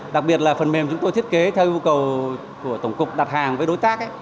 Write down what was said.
đặc biệt là phần mềm chúng tôi thiết kế theo yêu cầu của tổng cục đặt hàng với đối tác